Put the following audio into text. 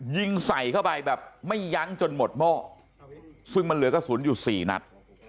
ยิงใส่เข้าไปแบบไม่ยั้งจนหมดหม้อซึ่งมันเหลือกระสุนอยู่สี่นัด